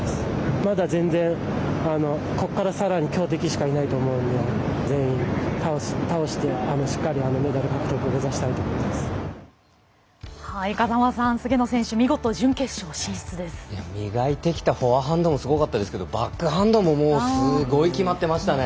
まだ、全然ここから、さらに強敵しかいないと思うので全員倒して、しっかりメダル獲得を風間さん、菅野選手磨いてきたフォアハンドもすごかったですがバックハンドももうすごい決まってましたね。